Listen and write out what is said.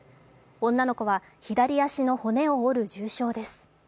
女の子は左足の骨を折る重傷です。